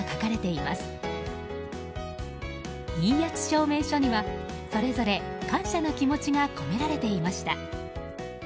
いいやつ証明書にはそれぞれ、感謝の気持ちが込められていました。